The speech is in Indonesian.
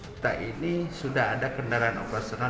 kita ini sudah ada kendaraan operasional